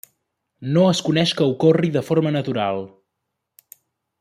No es coneix que ocorri de forma natural.